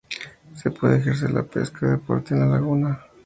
Se puede ejercer la pesca de deporte en la laguna.